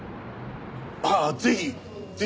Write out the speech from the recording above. ああぜひ！